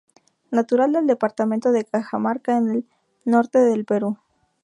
Natural del departamento de Cajamarca, en el norte del Perú.